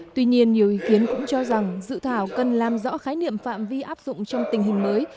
tuy nhiên nhiều ý kiến cũng cho rằng dự thảo cần làm rõ khái niệm phạm vi áp dụng trong tình hình mới